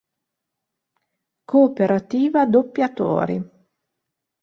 Cooperativa Doppiatori.